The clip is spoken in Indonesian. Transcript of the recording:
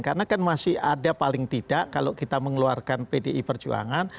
karena kan masih ada paling tidak kalau kita mengeluarkan pdi perjuangan